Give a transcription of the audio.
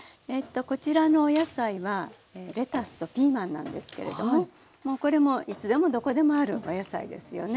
こちらのお野菜はレタスとピーマンなんですけれどももうこれもいつでもどこでもあるお野菜ですよね。